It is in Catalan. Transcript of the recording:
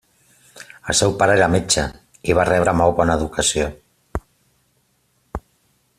El seu pare era metge, i va rebre molt bona educació.